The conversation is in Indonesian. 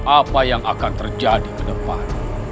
apa yang akan terjadi ke depan